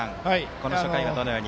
この初回はどのように？